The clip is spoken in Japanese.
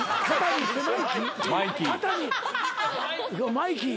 マイキー！